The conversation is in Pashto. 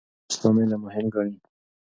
اسلام علم مهم ګڼي.